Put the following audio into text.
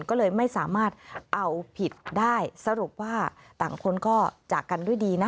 ก็เลยไม่สามารถเอาผิดได้สรุปว่าต่างคนก็จากกันด้วยดีนะ